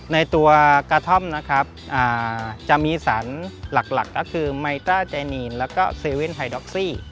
ในตัวกาธอมจะมีสารหลักคือไมตราจัยนีนและเซเว่นไฮดอกซี่